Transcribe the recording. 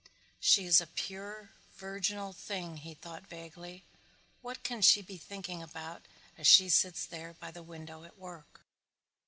"She is a pure, virginal thing," he thought vaguely. "What can she be thinking about as she sits there by the window at work?"